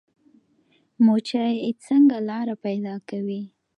مچۍ څنګه لاره پیدا کوي؟